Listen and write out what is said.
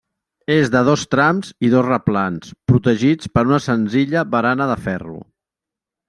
És de dos trams i dos replans, protegits per una senzilla barana de ferro.